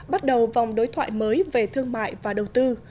bắt đầu vòng đối thoại mới về thương mại và đầu tư